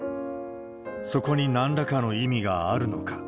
そこになんらかの意味があるのか。